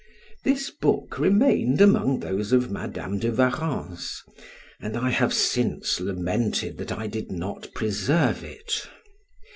This book remained among those of Madam de Warrens, and I have since lamented that I did not preserve it.